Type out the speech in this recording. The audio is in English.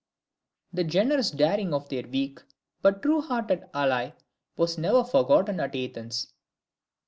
This generous daring of their weak but true hearted ally was never forgotten at Athens.